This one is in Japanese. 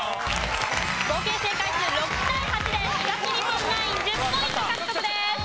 合計正解数６対８で東日本ナイン１０ポイント獲得です。